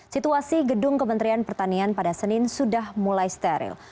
situasi gedung kementerian pertanian pada senin sudah mulai steril